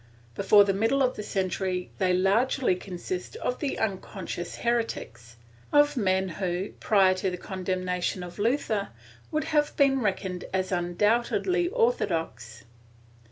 Before the middle of the century they largely consist of unconscious heretics — of men who, prior to the condemnation of Luther, would have been reckoned as undoubtedly orthodox.